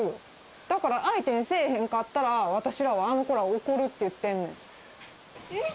だから相手にせえへんかったら、私はあの子らを怒るって言ってんねん。